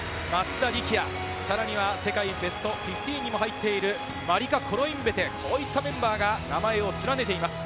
松田力也、さらに世界ベスト１位にも入っているマリカ・コロインベテ、こういったメンバーが名前を連ねています。